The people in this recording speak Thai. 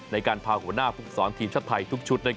ในการพาหัวหน้าภูมิสอนทีมชาติไทยทุกชุด